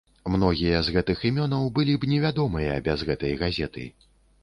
Многія з гэтых імёнаў былі б невядомыя без гэтай газеты.